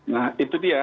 nah itu dia